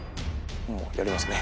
もうやりますね。